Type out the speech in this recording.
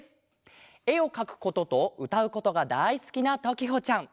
えをかくこととうたうことがだいすきなときほちゃん。